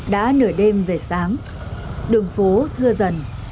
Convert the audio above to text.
đã nửa đêm về sáng đường phố thưa dần